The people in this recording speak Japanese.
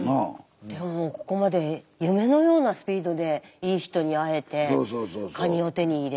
でもここまで夢のようなスピードでいい人に会えてカニを手に入れ。